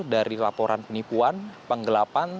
dari laporan penipuan penggelapan